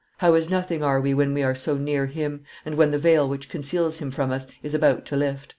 How as nothing are we when we are so near Him, and when the veil which conceals Him from us is about to lift!"